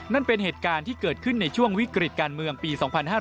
นั่นเป็นเหตุการณ์ที่เกิดขึ้นในช่วงวิกฤตการเมืองปี๒๕๕๙